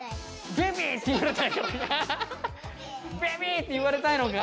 ベビーって言われたいのか。